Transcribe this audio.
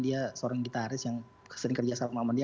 dia seorang gitaris yang sering kerja sama dia